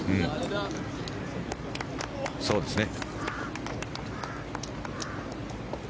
そうですね。